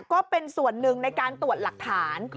ก็เป็นส่วนหนึ่งในการตรวจหลักฐาน